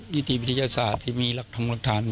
ยุติวิทยาศาสตร์ที่มีหลักฐาน